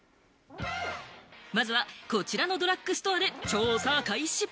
まずは、こちらのドラッグストアで調査開始。